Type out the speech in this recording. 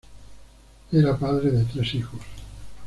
Era padre de tres hijos.